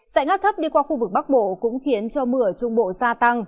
sảnh áp thấp đi qua khu vực bắc bộ cũng khiến cho mưa ở trung bộ gia tăng